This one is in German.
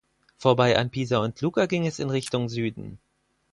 Vorbei an Pisa und Lucca ging es in Richtung Süden.